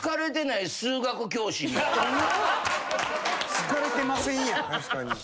好かれてませんやん。